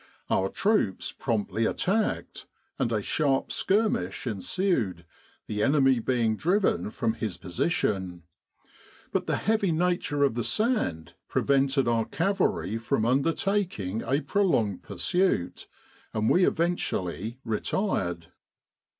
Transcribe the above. Our troops promptly attacked, and a sharp skirmish ensued, the enemy being driven from his position ; but the heavy nature of the sand prevented our cavalry from undertaking a prolonged pursuit, and we eventually retired.